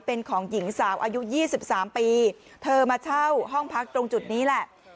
เป็นของหญิงสาวอายุ๒๓ปีเธอมาเช่าห้องพักตรงจุดนี้แหละ